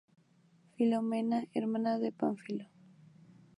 Filomena- Hermana de Pánfilo.